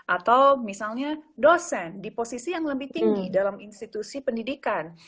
atau misalnya dosen di posisi yang lebih tinggi dalam institusi pendidikan